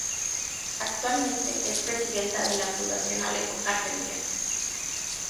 Actualmente es presidenta de la Fundación Alejo Carpentier.